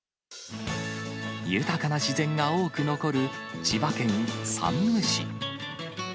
豊かな自然が多く残る千葉県山武市。